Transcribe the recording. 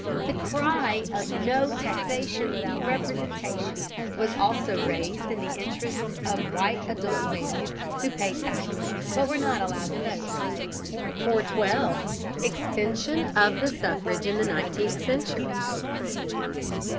The cry of "No taxation without representation," was also raised in the interests of white adult males who paid taxes, but who were not allowed to vote. 412. EXTENSION OF THE SUFFRAGE IN THE NINETEENTH CENTURY.